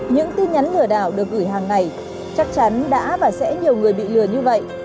những tin nhắn lừa đảo được gửi hàng ngày chắc chắn đã và sẽ nhiều người bị lừa như vậy